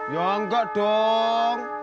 ya enggak dong